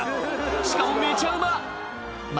しかもめちゃうま！